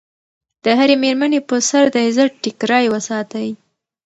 د هرې مېرمنې په سر د عزت ټیکری وساتئ.